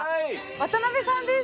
渡辺さんですか？